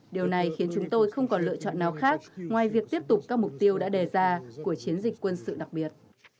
điều này khiến chúng tôi không còn lựa chọn nào khác ngoài việc tiếp tục các mục tiêu đã đề ra của chiến dịch quân sự đặc biệt